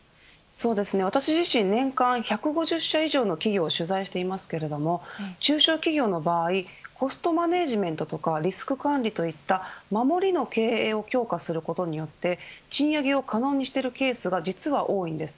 私自身、年間１５０社以上の企業を取材していますが中小企業の場合コストマネジメントやリスク管理といった守りの経営を強化することによって賃上げを可能にしているケースが実は多いんです。